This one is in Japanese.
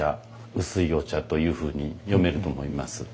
薄いお茶というふうに読めると思います。